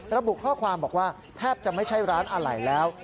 ระบุข้อความบอกว่าแทบจะไม่ใช่ร้านอะไรแล้ว